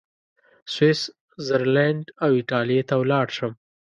سویس زرلینډ او ایټالیې ته ولاړ شم.